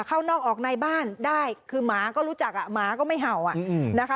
เข้านอกออกในบ้านได้คือหมาก็รู้จักอ่ะหมาก็ไม่เห่าอ่ะนะคะ